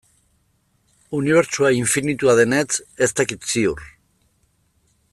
Unibertsoa infinitua denetz ez dakit ziur.